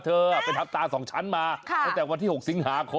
ทำตาสองชั้นทำตาสองชั้น